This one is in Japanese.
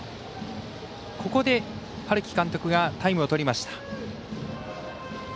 ここで春木監督がタイムをとりました。